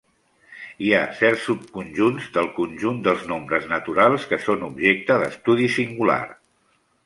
Hi ha certs subconjunts del conjunt dels nombres naturals que són objecte d'estudi singular.